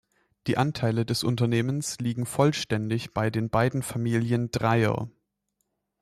Die Anteile des Unternehmens liegen vollständig bei den beiden Familien Dreyer.